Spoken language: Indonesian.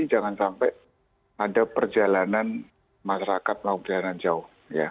kita mengantisipasi jangan sampai ada perjalanan masyarakat mau berjalanan jauh